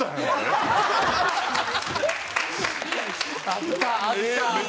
あったあった。